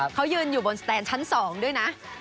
เขายืนอยู่บนสแทนท์ชั้นสองด้วยน่ะ